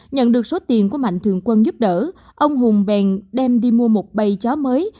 nhận được số tiền của mạnh thượng quân giúp đỡ ông hùng bèn đem đi mua một bày chó mới